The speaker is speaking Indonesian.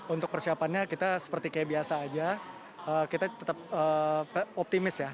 untuk persiapannya kita seperti kayak biasa aja kita tetap optimis ya